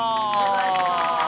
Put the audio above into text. お願いします。